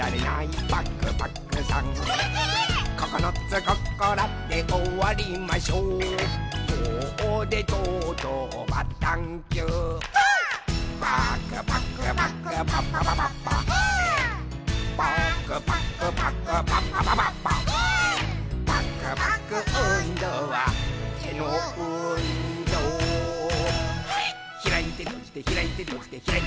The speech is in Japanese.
「ひらいてとじてひらいてとじてひらいてひらいてひらいて」